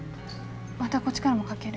またこっちからもかける。